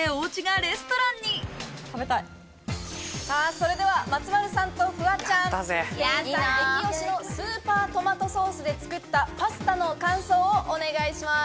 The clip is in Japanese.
それでは松丸さんとフワちゃん店員さん激押しのスーパートマトソースで作ったパスタの感想をお願いします。